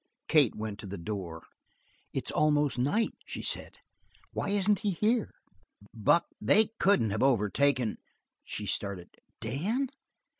Kate went to the door. "It's almost night," she said. "Why isn't he here?" "Buck, they couldn't have overtaken " She started. "Dan?"